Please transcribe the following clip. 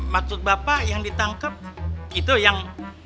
maksud bapak yang ditangkap itu yang